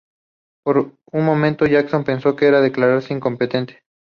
Por un momento, Jackson pensó en declararse incompetente.